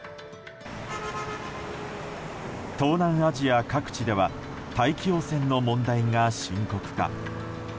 東南アジア各地では大気汚染の問題が深刻化。